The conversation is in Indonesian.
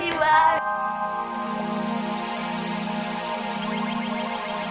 terima kasih bang